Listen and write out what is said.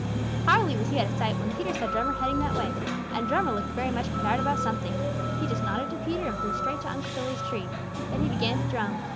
Hardly was he out of sight when Peter saw Drummer heading that way, and Drummer looked very much put out about something. He just nodded to Peter and flew straight to Unc' Billy's tree. Then he began to drum.